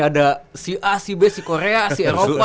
ada si a si b si korea si eropa